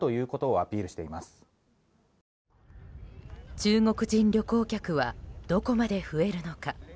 中国人旅行客はどこまで増えるのか。